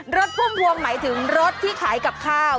พุ่มพวงหมายถึงรถที่ขายกับข้าว